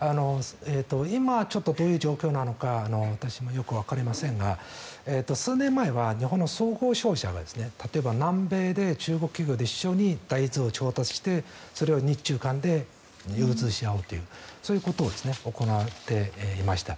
今、ちょっとどういう状況なのか私もよくわかりませんが数年前は日本の総合商社は例えば南米で中国企業と一緒に大豆を調達してそれを日中間で流通し合おうとそういうことを行っていました。